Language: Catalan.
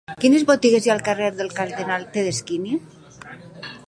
Quines botigues hi ha al carrer del Cardenal Tedeschini?